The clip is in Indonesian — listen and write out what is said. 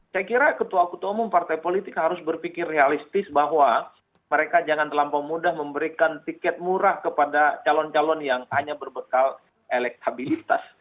saya kira ketua ketua umum partai politik harus berpikir realistis bahwa mereka jangan terlampau mudah memberikan tiket murah kepada calon calon yang hanya berbekal elektabilitas